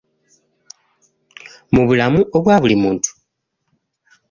Mu bulamu obwa buli muntu.